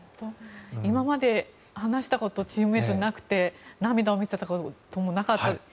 今まで話したことがチームメートになくて涙を見せたこともなかったと。